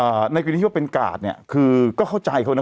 ในกรณีที่ว่าเป็นกาดเนี้ยคือก็เข้าใจเขานะ